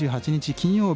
金曜日。